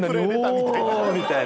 みたいな。